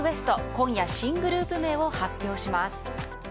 今夜、新グループ名を発表します。